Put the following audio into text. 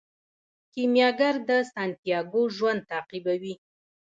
کیمیاګر د سانتیاګو ژوند تعقیبوي.